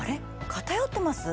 偏ってます？